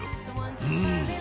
うん！